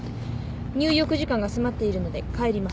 入浴時間が迫っているので帰ります。